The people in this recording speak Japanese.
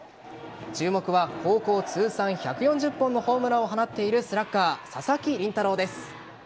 注目は高校通算１４０本のホームランを放っているスラッガー佐々木麟太郎です。